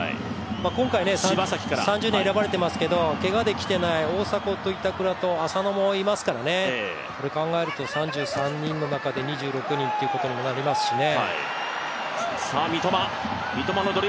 今回、３０人選ばれてますけど、けがで来ていない板倉、大迫と浅野もいますからね、考えますと３３人の中で２６人っていうことになりますしね。